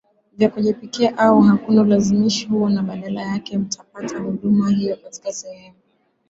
vya kujipikia au hakuna ulazima huo na badala yake mtapata huduma hiyo katika sehemu